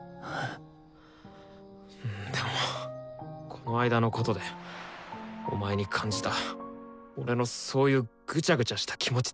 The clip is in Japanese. この間のことでお前に感じた俺のそういうぐちゃぐちゃした気持ち